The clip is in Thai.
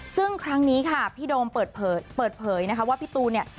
ซึ่งครั้งนี้ค่ะพี่โดมเปิดเผยนะคะว่าพี่ตูนเนี่ย